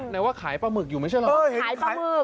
แน่ว่าขายปลาหมึกอยู่มั้ยใช่หรอขายปลาหมึก